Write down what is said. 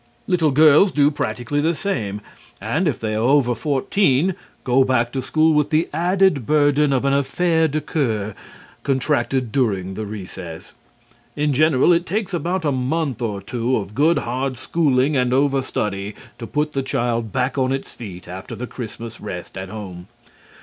Little girls do practically the same, and, if they are over fourteen, go back to school with the added burden of an affaire de coeur contracted during the recess. In general, it takes about a month or two of good, hard schooling and overstudy to put the child back on its feet after the Christmas rest at home.